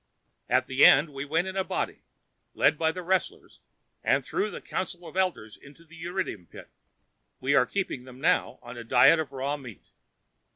At the end, we went in a body, led by the wrestlers, and threw the council of elders into the erydnium pit. We are keeping them now on a diet of raw meat.